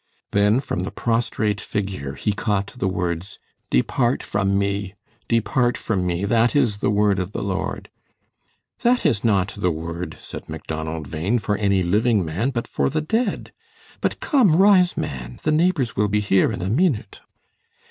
Then from the prostrate figure he caught the words, "Depart from me! Depart from me! That is the word of the Lord." "That is not the word," said Macdonald Bhain, "for any living man, but for the dead. But come, rise, man; the neighbors will be here in a meenute."